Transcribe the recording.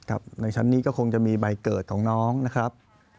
ในชั้นนี้ก็คงจะมีใบเกิดของน้องนะครับ